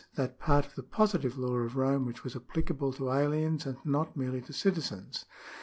that part of the positive law of Rome which was applicable to aliens, and not merely to citizens.